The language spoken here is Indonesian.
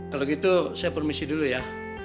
kalau gitu saya permisi dulu ya